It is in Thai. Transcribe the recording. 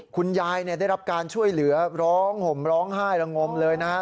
คุณยายได้รับการช่วยเหลือร้องห่มร้องไห้ระงมเลยนะครับ